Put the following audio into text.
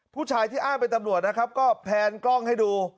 ผู้ชายที่อ้างเป็นตำรวจนะครับก็แพนกล้องให้ดู